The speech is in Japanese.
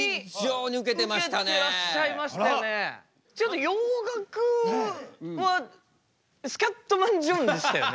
ちょっと洋楽はスキャットマン・ジョンでしたよね。